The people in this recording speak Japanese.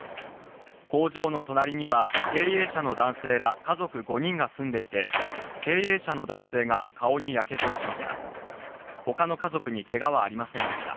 工場の隣には経営者の男性ら家族５人が住んでいて、経営者の男性が顔にやけどをしました。